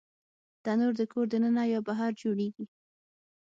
تنور د کور دننه یا بهر جوړېږي